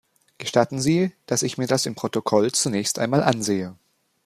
Gestatten Sie, dass ich mir das im Protokoll zunächst einmal ansehe.